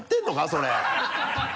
それ。